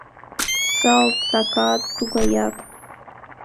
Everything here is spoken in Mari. Салтакат тугаяк.